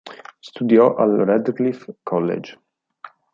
Studiò al Radcliffe College.